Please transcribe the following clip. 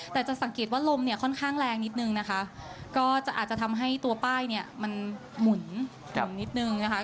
แต่จะสังเกตว่าลมเนี่ยค่อนข้างแรงนิดนึงนะคะก็จะอาจจะทำให้ตัวป้ายเนี่ยมันหมุนต่ำนิดนึงนะคะ